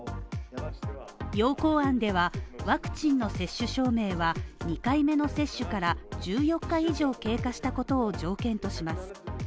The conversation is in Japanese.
要綱案では、ワクチンの接種証明は２回目の接種から１４日以上経過したことを条件とします。